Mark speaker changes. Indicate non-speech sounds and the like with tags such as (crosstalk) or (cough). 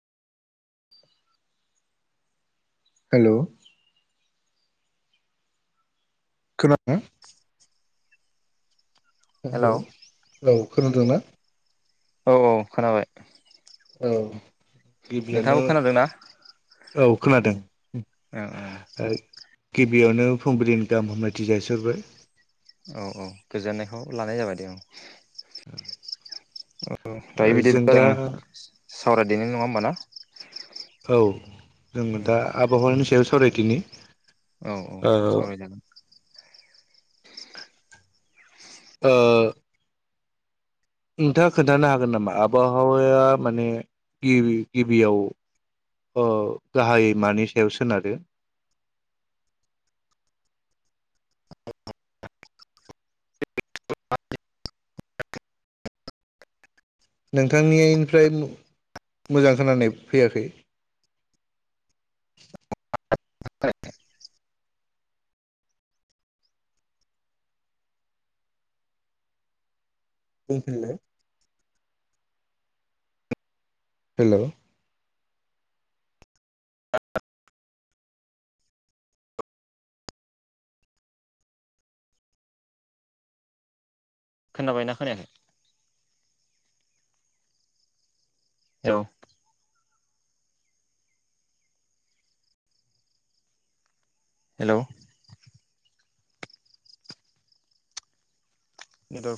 Speaker 1: हेल' खोना ना hello
Speaker 2: hello
Speaker 1: औ खोनोंदों ना?
Speaker 2: औ औ खोनाबाय।
Speaker 1: औ। गिबियावनो
Speaker 2: नोंथाङाबो खोनादों ना?
Speaker 1: औ खोनादों।
Speaker 2: अ अ
Speaker 1: गिबियावनो फुंबिलिनि गाहाम हामलायथि जासिहरबाय।
Speaker 2: औ औ गोजोननायखौ लानाय जाबाय दे औ ओ दायो
Speaker 1: जों
Speaker 2: बिदिबा
Speaker 1: दा
Speaker 2: जोङो सावरायदेनि नङा होमबा ना।
Speaker 1: औ जों दा आबहावानि सायाव सावरायनि। दिनै
Speaker 2: औ औ सावरायगोन।
Speaker 1: ओ नोंथाङा खोन्थानो हागोन नामा आबहावाया माने गिबि गिबियाव ओ गाहायै मानि सायाव सोनारो
Speaker 2: (inaudible) (inaudible)
Speaker 1: नोंथांनिनिफ्राय मोजां खोनानाय फैयाखै
Speaker 2: (inaudible)
Speaker 1: बुंफिनलाय हेलौ
Speaker 2: खोनाबाय ना खोनायाखै औ हेलौ द'